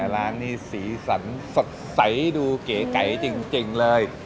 ร้านนี้สีสันสดใสดูเก๋ไก่จริงเลย